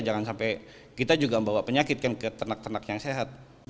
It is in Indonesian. jangan sampai kita juga membawa penyakit kan ke ternak ternak yang sehat